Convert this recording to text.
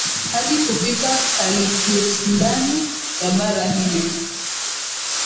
hadi kufika Calicutndani ya bara Hindi